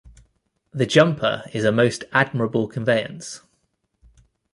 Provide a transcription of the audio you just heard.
The jumper is a most admirable conveyance.